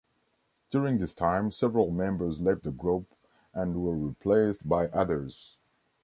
During this time several members left the group and were replaced by others.